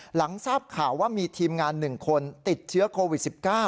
หลังทราบข่าวว่ามีทีมงาน๑คนติดเชื้อโควิด๑๙